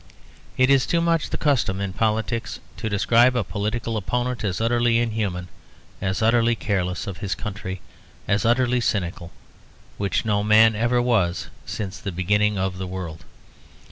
It is too much the custom in politics to describe a political opponent as utterly inhuman, as utterly careless of his country, as utterly cynical, which no man ever was since the beginning of the world.